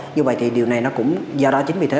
như vậy thì điều này nó cũng do đó chính vì thế